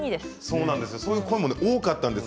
そういう声が多かったんです。